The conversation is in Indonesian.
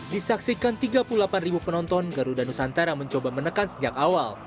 disaksikan tiga puluh delapan ribu penonton garuda nusantara mencoba menekan sejak awal